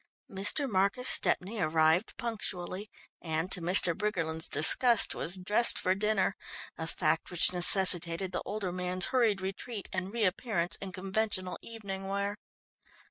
Mr. Marcus Stepney arrived punctually, and, to Mr. Briggerland's disgust, was dressed for dinner, a fact which necessitated the older man's hurried retreat and reappearance in conventional evening wear.